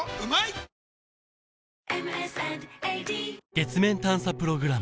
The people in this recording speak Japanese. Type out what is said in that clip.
月面探査プログラム